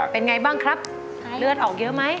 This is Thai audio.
เป็นไงบ้างครับเลือดออกเยอะไหม